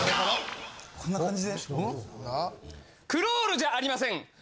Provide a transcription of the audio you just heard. クロールじゃありません。